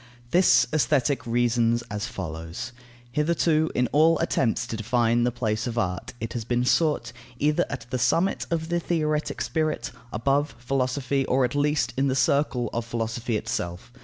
This Aesthetic reasons as follows: Hitherto, in all attempts to define the place of art, it has been sought, either at the summit of the theoretic spirit, above philosophy, or, at least, in the circle of philosophy itself.